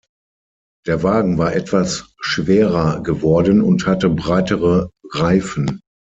Der Wagen war etwas schwerer geworden und hatte breitere Reifen.